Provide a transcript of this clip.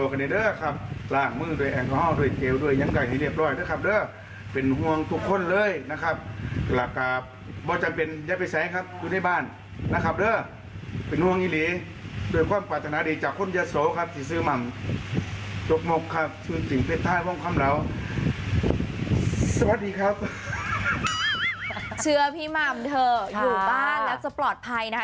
เชื่อพี่หม่ำเถอะอยู่บ้านแล้วจะปลอดภัยนะคะ